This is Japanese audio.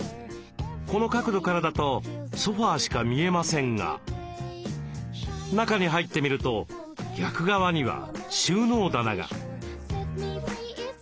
この角度からだとソファーしか見えませんが中に入ってみると逆側には収納棚が。